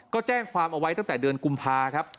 ก็แจ้งความเอาไว้ตั้งแต่เดือนกุมภาครับ